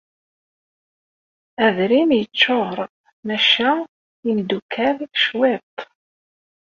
Adrim yeččuṛ macca imeddukkal, cwiṭ.